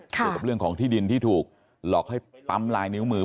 เกี่ยวกับเรื่องของที่ดินที่ถูกหลอกให้ปั๊มลายนิ้วมือ